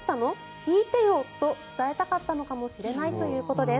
弾いてよと伝えたかったかもしれないということです。